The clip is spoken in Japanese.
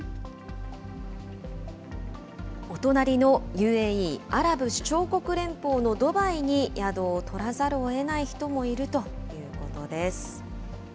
お隣のＵＡＥ・アラブ首長国連邦のドバイに宿を取らざるをえない人もいるということです。